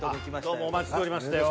どうもお待ちしておりましたよ。